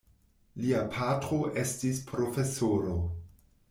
Lia patro estis profesoro.